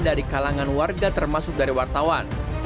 dari kalangan warga termasuk dari wartawan